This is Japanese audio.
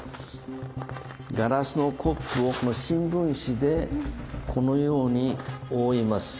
ガラスのコップをこの新聞紙でこのように覆います。